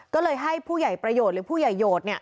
ก็เลยให้ผู้ใหญ่ประโยชน์หรือผู้ใหญ่โหด